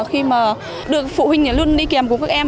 khi mà được phụ huynh luôn đi kèm cùng các em